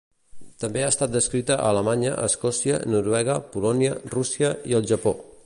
També ha estat descrita a Alemanya, Escòcia, Noruega, Polònia, Rússia i el Japó.